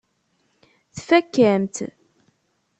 Tfakk-am-tt.